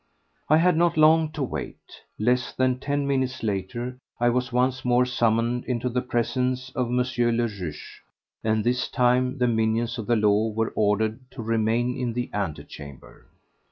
I had not long to wait. Less than ten minutes later I was once more summoned into the presence of M. le Juge; and this time the minions of the law were ordered to remain in the antechamber.